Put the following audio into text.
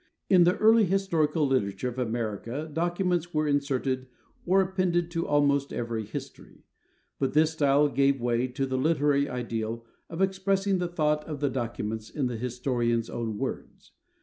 In the early historical literature of America documents were inserted or appended to almost every history; but this style gave way to the literary ideal of expressing the thought of the documents in the historian's own words.